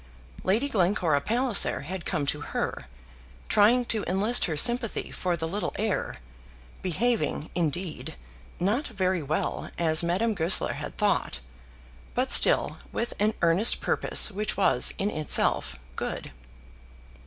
Lady Glencora Palliser had come to her, trying to enlist her sympathy for the little heir, behaving, indeed, not very well, as Madame Goesler had thought, but still with an earnest purpose which was in itself good.